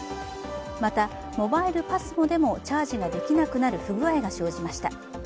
また、モバイルＰＡＳＭＯでもチャージができなくなる不具合が生じました。